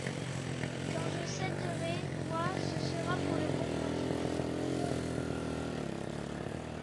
Quand je céderai, moi, ce sera pour le bon motif.